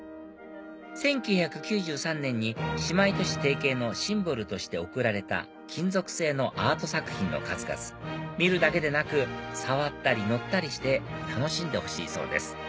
１９９３年に姉妹都市提携のシンボルとして贈られた金属製のアート作品の数々見るだけでなく触ったり乗ったりして楽しんでほしいそうです